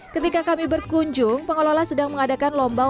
ketika kami berkunjung pengelola sedang mengadakan lomba